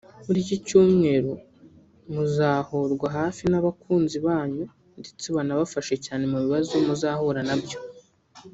muri iki cyumeru muzahorwa hafi n’abakunzi banyu ndetse banabafashe cyane mu bibazo muzahura nabyo